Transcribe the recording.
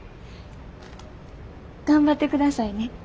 頑張ってくださいね。